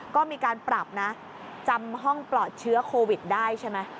ก็มีการปรับนะจำห้องปลอดเชื้อโควิดได้ใช่ไหม